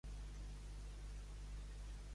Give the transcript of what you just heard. Per quin motiu han mort persones a les protestes?